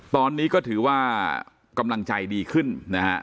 ตอนนี้ก็ถือว่ากำลังใจดีขึ้นนะฮะ